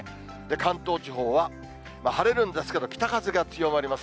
関東地方は、晴れるんですけど、北風が強まります。